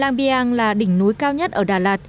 làng bi ang là đỉnh núi cao nhất ở đà lạt